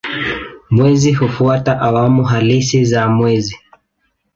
Mwezi hufuata awamu halisi za mwezi.